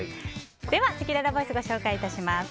せきららボイスご紹介いたします。